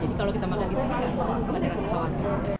jadi kalau kita makan di sini kita akan terasa khawatir